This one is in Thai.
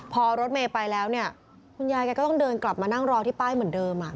พอรถเมย์ไปแล้วเนี่ยคุณยายแกก็ต้องเดินกลับมานั่งรอที่ป้ายเหมือนเดิม